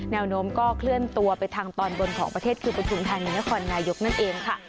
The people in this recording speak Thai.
แนวโน้มก็เคลื่อนตัวไปทางตอนบนของประเทศคือปฐุมธานีนครนายกนั่นเองค่ะ